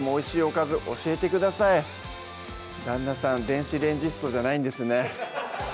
電子レンジストじゃないんですね